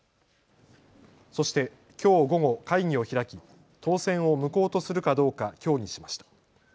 そしてきょう午後、会議を開き当選を無効とするかどうか協議しました。